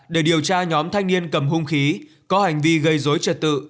để điều tra nhóm thanh niên cầm hung khí có hành vi gây dối trật tự